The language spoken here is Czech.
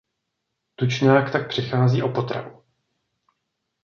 Tučňák tak přichází o potravu.